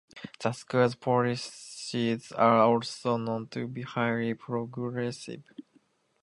The school's policies are also known to be highly progressive.